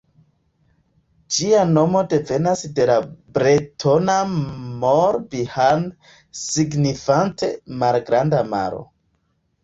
Ĝia nomo devenas de la bretona Mor-Bihan signifante Malgranda Maro.